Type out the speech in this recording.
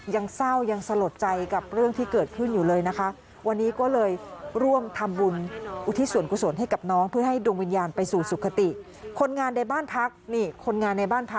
ยังเศร้ายังสลดใจกับเรื่องที่เกิดขึ้นอยู่เลยนะคะ